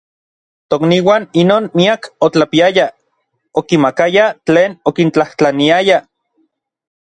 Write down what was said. Tokniuan inon miak otlapiayaj, okimakayaj tlen okintlajtlaniaya.